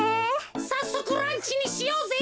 さっそくランチにしようぜ！